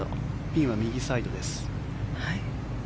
ピンは右サイドです。